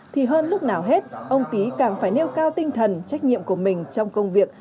thì hơn lúc nào hết ông tý càng phải nêu cao tinh thần trách nhiệm của mình trong công việc